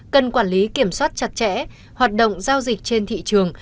cần quản lý kiểm soát chặt chẽ hoạt động giao dịch trên thị trường